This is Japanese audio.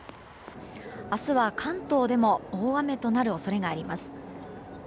明日は関東でも大雨となる恐れがあります。